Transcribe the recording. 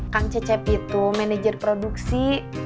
kang cecep itu manajer produksi